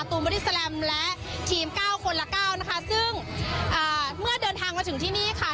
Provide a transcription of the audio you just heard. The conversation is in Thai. บอดี้แลมและทีมเก้าคนละเก้านะคะซึ่งอ่าเมื่อเดินทางมาถึงที่นี่ค่ะ